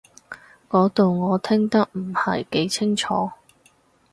嗰度我聽得唔係幾清楚